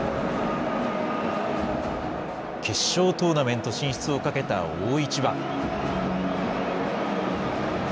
決勝トーナメント進出をかけた大一番。